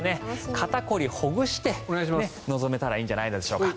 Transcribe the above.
肩凝りほぐして、臨めたらいいんじゃないでしょうか。